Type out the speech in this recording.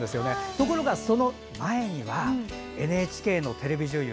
ところがその前にはＮＨＫのテレビ女優